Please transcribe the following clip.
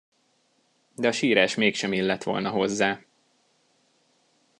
De a sírás mégsem illett volna hozzá.